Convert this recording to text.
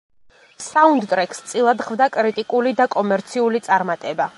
საუნდტრეკს წილად ხვდა კრიტიკული და კომერციული წარმატება.